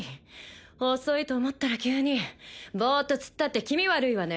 遅いと思ったら急にボーッと突っ立って気味悪いわね